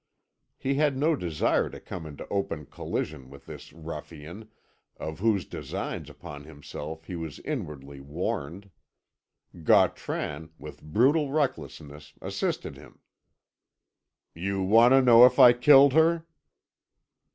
He had no desire to come into open collision with this ruffian, of whose designs upon himself he was inwardly warned. Gautran, with brutal recklessness, assisted him. "You want to know if I killed her?"